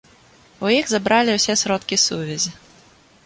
У іх забралі ўсе сродкі сувязі.